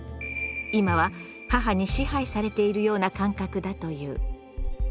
今は母に支配されているような感覚だという。